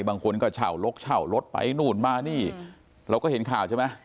บางคนก็เช่าลกเช่ารถไปนู่นมานี่เราก็เห็นข่าวใช่ไหม